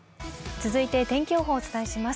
続いて、天気予報をお伝えします